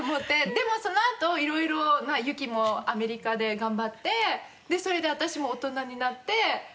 でもそのあと色々雪もアメリカで頑張ってでそれで私も大人になって和解したっていう。